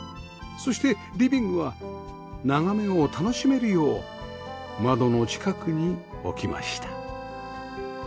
そしてリビングは眺めを楽しめるよう窓の近くに置きました